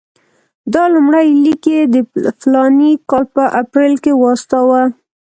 دا لومړی لیک یې د فلاني کال په اپرېل کې واستاوه.